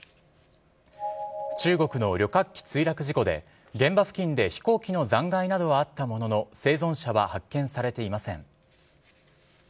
中国の旅客機墜落事故で、現場付近で飛行機の残骸などはあったものの、生存者は発見されていません。